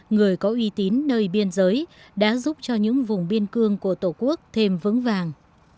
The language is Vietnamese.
người có uy tín nơi biên giới đã giúp cho những vùng biên cương của tổ quốc thêm vững vàng